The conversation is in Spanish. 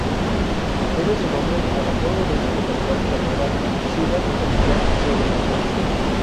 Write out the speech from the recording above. Debe su nombre al apodo de esa localidad llamada "Ciudad industrial de Venezuela".